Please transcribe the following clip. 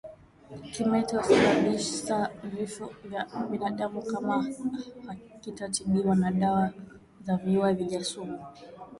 Kimeta husababisa vifo kwa binadamu kama hakitatibiwa na dawa za viua vijasumu